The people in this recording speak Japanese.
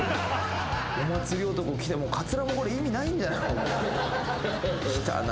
お祭り男来てかつらも意味ないんじゃない？来たな。